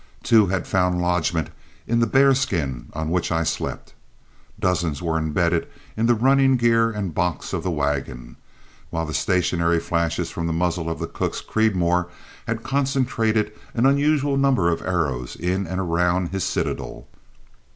Two had found lodgment in the bear skin on which I slept. Dozens were imbedded in the running gear and box of the wagon, while the stationary flashes from the muzzle of the cook's Creedmoor had concentrated an unusual number of arrows in and around his citadel.